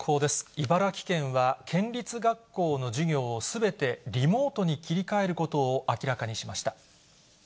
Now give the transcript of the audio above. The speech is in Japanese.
茨城県は県立学校の授業をすべてリモートに切り替えることを明らかにしました。